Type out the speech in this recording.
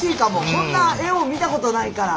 こんな絵を見たことないから。